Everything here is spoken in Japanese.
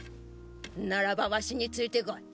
ならばワシについてこい。